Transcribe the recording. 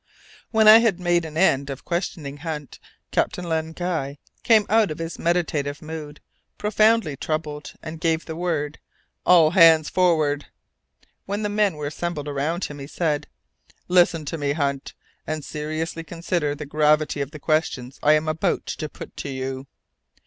When I had made an end of questioning Hunt, Captain Len Guy came out of his meditative mood, profoundly troubled, and gave the word, "All hands forward!" When the men were assembled around him, he said, "Listen to me, Hunt, and seriously consider the gravity of the questions I am about to put to you."